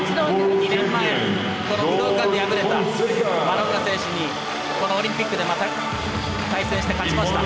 ２年前の武道館で敗れたマロンガ選手にこのオリンピックでまた対戦して勝ちました。